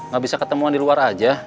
gak bisa ketemuan di luar aja